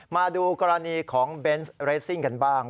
มาดูกรณีของเบนส์เรสซิ่งกันบ้าง